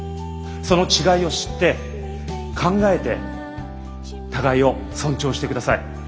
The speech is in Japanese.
その違いを知って考えて互いを尊重してください。